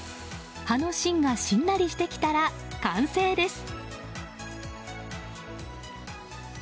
葉の芯がしんなりしてきたら完成です。